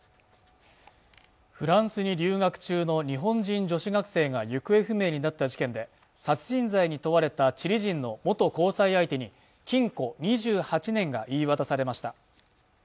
フランスに留学中の日本人女子学生が行方不明になった事件で殺人罪に問われたチリ人の元交際相手に禁錮２８年が言い渡されました